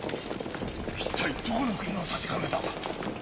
一体どこの国の差し金だ！